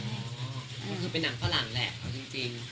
อ๋อมันคือเป็นหนังภาษาหลังแหละเอาจริง